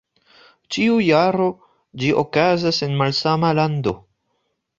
Ĉiu jaro ĝi okazas en malsama lando.